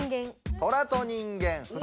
トラと人間。